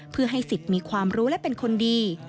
เพื่อให้สิทธิ์มีความรู้และเป็นคนดี